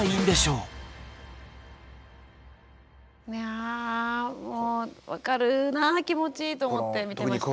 あもう分かるな気持ちと思って見てました。